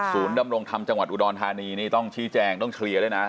ดำรงธรรมจังหวัดอุดรธานีนี่ต้องชี้แจงต้องเคลียร์ด้วยนะ